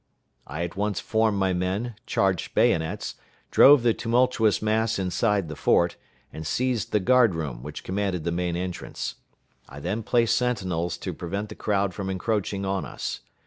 I at once formed my men, charged bayonets, drove the tumultuous mass inside the fort, and seized the guard room, which commanded the main entrance. I then placed sentinels to prevent the crowd from encroaching on us.